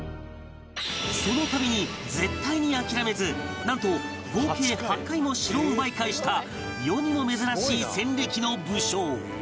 その度に絶対に諦めずなんと合計８回も城を奪い返した世にも珍しい戦歴の武将